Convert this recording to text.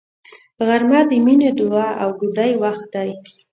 غرمه د مینې، دعا او ډوډۍ وخت دی